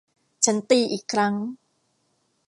ฉันตีอีกครั้ง